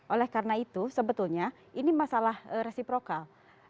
oleh karena itu sebetulnya ini masalah resiprokal